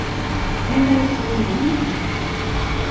En eller två miljoner kanske.